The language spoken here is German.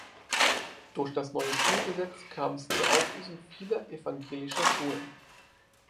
Durch das neue Schulgesetz kam es zur Auflösung vieler evangelischer Schulen.